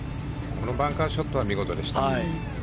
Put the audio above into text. このバンカーショットは見事でした。